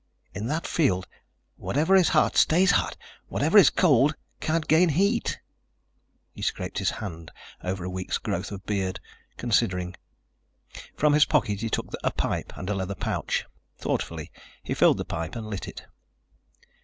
In that field, whatever is hot stays hot, whatever is cold can't gain heat." He scraped his hand over a week's growth of beard, considering. From his pocket he took a pipe and a leather pouch. Thoughtfully he filled the pipe and lit it.